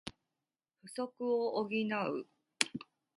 不足を補う